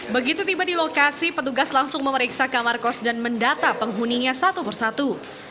begitu tiba di lokasi petugas langsung memeriksa kamar kos dan mendata penghuninya satu persatu